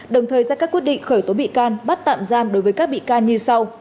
đồng thời ra các quyết định khởi tố bị can bắt tạm giam đối với các bị can như sau